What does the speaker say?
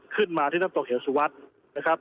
ขึ้นมาที่น้ำตกเหี่ยวสุวัสดิ์